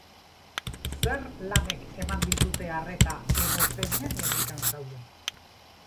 Zer lanek eman dizute arreta edo zeinen irrikan zaude?